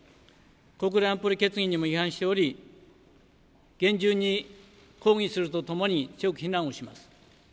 国連の決議にも違反しており厳重に抗議するとともに強く非難をします。